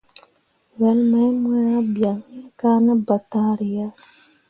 Wel mai mu ah bian iŋ kah ne ɓentǝǝri ah.